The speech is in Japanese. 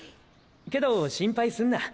けど心配すんな。